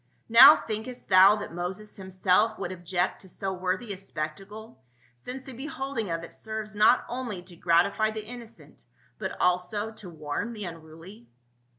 Now, thinkest thou that Moses himself would object to so worthy a spectacle, since the beholding of it serves not only to gratify the innocent but also to warn the unruly?"